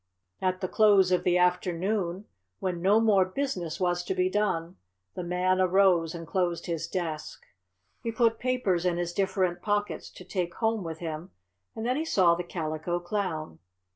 At the close of the afternoon, when no more business was to be done, the Man arose and closed his desk. He put papers in his different pockets to take home with him, and then he saw the Calico Clown.